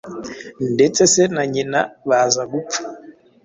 Ndetse se na nyina baza gupfa